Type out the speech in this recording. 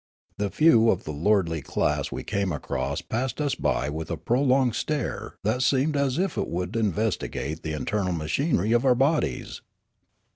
The few of the lordly class we came across passed us by with a prolonged stare that seemed as if it would investigate the internal machinery of our bodies.